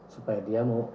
supaya dia mau